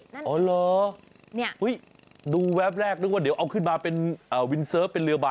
อ๋อเหรอดูแวบแรกนึกว่าเดี๋ยวเอาขึ้นมาเป็นวินเซิร์ฟเป็นเรือบาย